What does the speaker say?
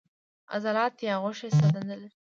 عضلات یا غوښې څه دنده لري